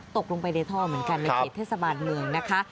ตกลงไปในท่อเหมือนกันในเขตเทศบาลเมืองนะคะ